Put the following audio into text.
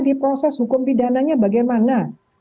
di proses hukum pidananya bagaimana